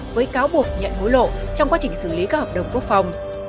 với cáo buộc nhận hối lộ trong quá trình xử lý các hợp đồng quốc phòng